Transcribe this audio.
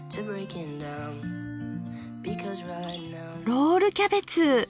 「ロールキャベツ！